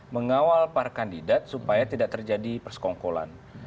mengawal para kandidat supaya tidak terjadi persekongkolan